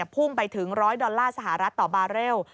พุ่งไปถึง๑๐๐ดอลลาร์สหรัฐต่อบาเรล